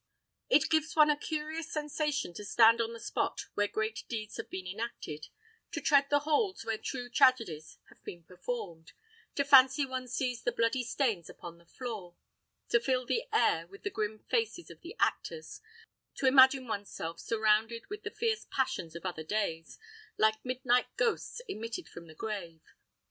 It gives one a curious sensation to stand on the spot where great deeds have been enacted: to tread the halls where true tragedies have been performed: to fancy one sees the bloody stains upon the floor: to fill the air with the grim faces of the actors: to imagine one's self surrounded with the fierce passions of other days, like midnight ghosts emitted from the grave.